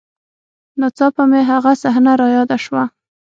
نا څاپه مې هغه صحنه راياده سوه.